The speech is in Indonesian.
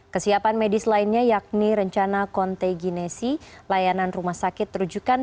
kesiapan medis lainnya yakni rencana konteginesi layanan rumah sakit terujukan